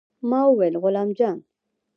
ما وويل غلام جان.